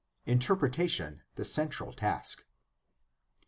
Interpretation the central task.